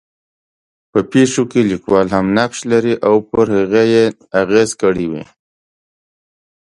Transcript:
په پېښو کې لیکوال هم نقش لرلی او پر هغې یې اغېز کړی وي.